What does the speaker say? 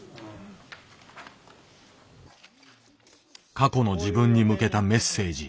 過去の自分に向けたメッセージ。